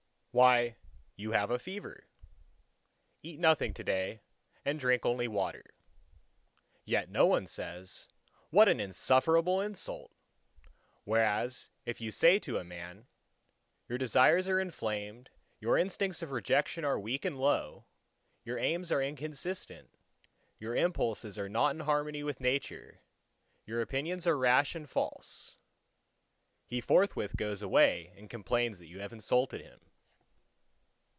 why, you have a fever. Eat nothing to day, and drink only water." Yet no one says, "What an insufferable insult!" Whereas if you say to a man, "Your desires are inflamed, your instincts of rejection are weak and low, your aims are inconsistent, your impulses are not in harmony with Nature, your opinions are rash and false," he forthwith goes away and complains that you have insulted him.